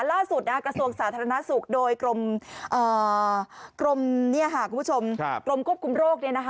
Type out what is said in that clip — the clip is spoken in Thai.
ล่าสุดกระทรวงสาธารณสุขโดยกลมกรมกุบคุมโรค